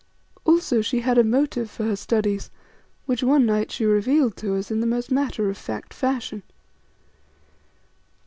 Also she had a motive for her studies, which one night she revealed to us in the most matter of fact fashion.